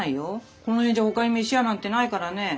この辺じゃほかに飯屋なんてないからね。